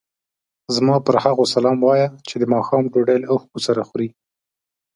زما پر هغو سلام وایه چې د ماښام ډوډۍ له اوښکو سره خوري.